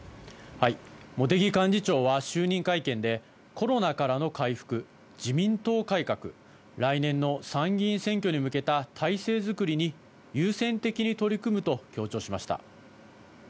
茂木幹事長は就任会見で、コロナからの回復、自民党改革、来年の参議院選挙に向けた体制作りに優先的に取り組むと強調しました。